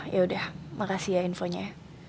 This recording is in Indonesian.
yaudah makasih ya infonya